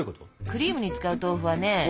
クリームに使う豆腐はね